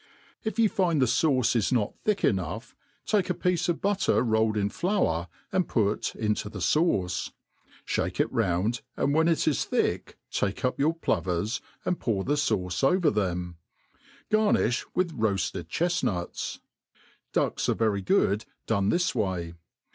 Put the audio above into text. If you find the fauce is not thick enough, take a piece of butter rolled in flour^ and put into the fauce ; (hake it round, and when it is thick take up your plovers, and pour the fauce over ^them. Garniih with roafted chefnuts. t Ducks are very good done this way.